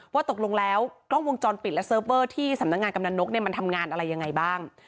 ว่าตกลงแล้วกล้องวงจรปิดและเซิร์ฟเวอร์ที่สำนักงานกำนันนกมันทำงานอะไรยังไงบ้าง